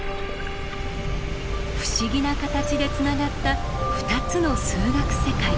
不思議な形でつながった２つの数学世界。